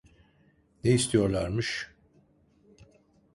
Ne istiyorlarmış?